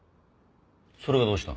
それがどうした？